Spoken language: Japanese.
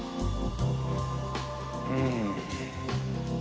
うん。